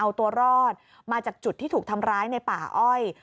เอาตัวรอดมาจากจุดที่ถูกทำร้ายในป่าอ้อย